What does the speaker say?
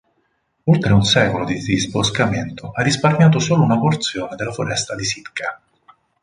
Oltre un secolo di disboscamento ha risparmiato solo una porzione della foresta di Sitka.